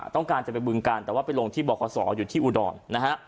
ต้องการจะไปบึงการแต่ว่าไปลงที่บขอยู่ที่อุดรนะฮะ